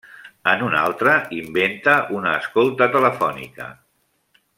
En un altre, inventa una escolta telefònica.